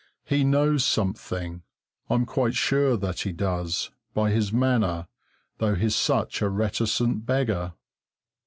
He knows something; I'm quite sure that he does, by his manner, though he's such a reticent beggar.